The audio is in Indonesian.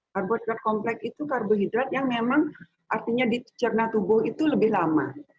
karbohidrat kompleks itu karbohidrat yang memang artinya di cerna tubuh itu lebih lama